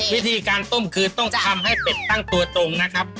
วิธีการต้มคือต้องทำให้เป็ดตั้งตัวตรงนะครับ